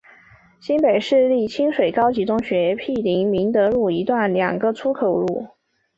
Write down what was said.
新北市立清水高级中学毗邻明德路一段的两个出入口。